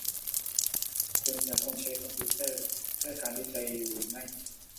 คุณยังคงใช้คอมพิวเตอร์เพื่อการวิจัยอยู่หรือไม่ ?